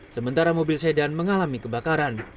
sementara mobil sedan mengalami kebakaran